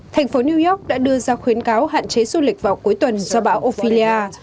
thành phố new york đã đưa ra khuyến cáo hạn chế du lịch vào cuối tuần do bão ophelia